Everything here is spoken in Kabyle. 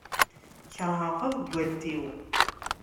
Kerheɣ taḍeggalt-iw.